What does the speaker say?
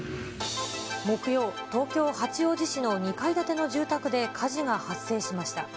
木曜、東京・八王子市の２階建ての住宅で火事が発生しました。